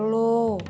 puh makasih ya